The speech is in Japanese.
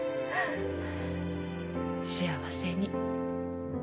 幸せに。